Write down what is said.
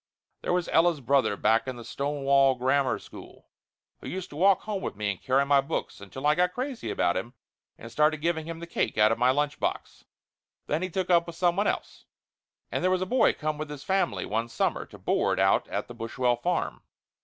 There was Ella's brother back in the Stonewall Grammar School, who used to walk home with me and carry my books until I got 280 Laughter Limited crazy about him and started giving him the cake out of my lunch box. Then he took up someone else. And there was a boy come with his family one sum mer to board out at the Bushwell farm.